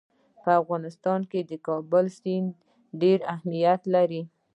په افغانستان کې د کابل سیند ډېر اهمیت لري.